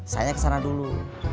saya kesana dulu